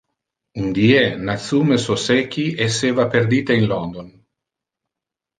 Un die, Natsume Soseki esseva perdite in London.